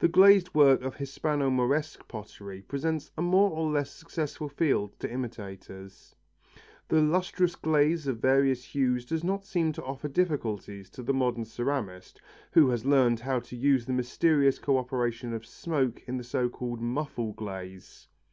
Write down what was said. The glazed work of Hispano Moresque pottery presents a more or less successful field to imitators. The lustrous glaze of various hues does not seem to offer difficulties to the modern ceramist, who has learned how to use the mysterious co operation of smoke in the so called muffle glaze.